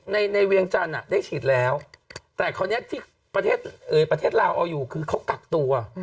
ในในเวียงจันทร์ได้ฉีดแล้วแต่คราวนี้ที่ประเทศลาวเอาอยู่คือเขากักตัว